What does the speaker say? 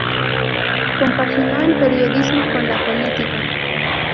Compaginó el periodismo con la política.